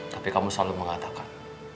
tapi kamu selalu mengatakan